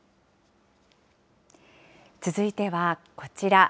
続いてはこちら。